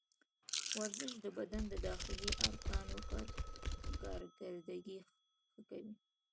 ورزش د بدن د داخلي ارګانونو کارکردګي ښه کوي.